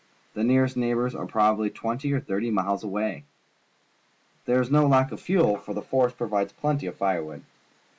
The nearest neigh bours are probably twenty or thirty miles away. There is no lack of fuel, for the forest provides plenty of firewood.